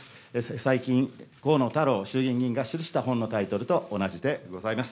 最近、河野太郎衆議院議員が記したタイトルの本と同じでございます。